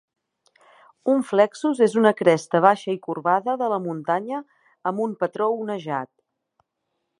Un flexus és una cresta baixa i corbada de la muntanya amb un patró onejat.